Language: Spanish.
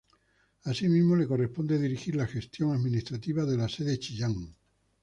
Asimismo, le corresponde dirigir la gestión administrativa de la sede Chillán.